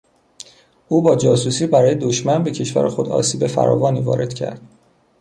او با جاسوسی برای دشمن به کشور خود آسیب فراوانی وارد کرد.